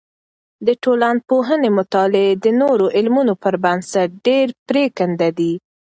د ټولنپوهنې مطالعې د نورو علمونو په نسبت ډیر پریکنده دی.